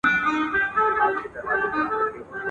غل په غره کي ځاى نه لري.